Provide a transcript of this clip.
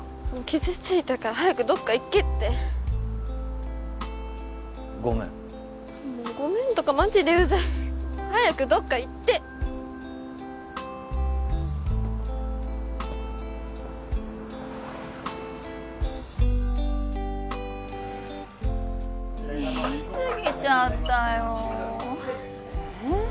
傷ついたから早くどっか行けってごめんもうごめんとかマジでウザい早くどっか行って言いすぎちゃったよえっ？